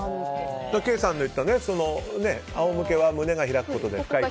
ケイさんの言ったあお向けは胸が開くことで深い